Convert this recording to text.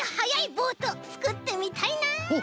ボートつくってみたいなあ！